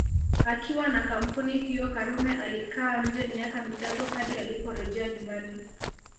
Akiwa na kampuni hiyo Karume alikaa nje miaka mitatu hadi aliporejea nyumbani